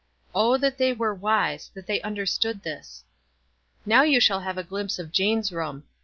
Oh, that they were wise — that they understood this." Now you shall have a glimpse of Jane's room.